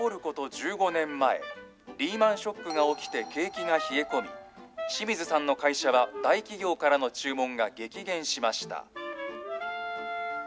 １５年前、リーマンショックが起きて景気が冷え込み、清水さんの会社は大企業からの注文が激減しました。